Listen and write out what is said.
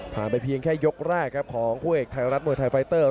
ไปเพียงแค่ยกแรกครับของคู่เอกไทยรัฐมวยไทยไฟเตอร์